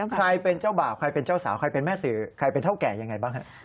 ใครเป็นเจ้าบ่าวใครเป็นเจ้าสาวใครเป็นแม่สื่อใครเป็นเท่าแก่ยังไงบ้างครับ